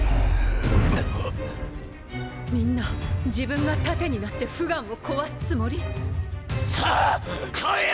みんな自分が盾になってフガンを壊すつもり？さあ！！来いよ！！